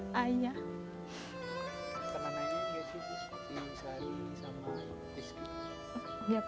temanannya dia juga si sali sama rizky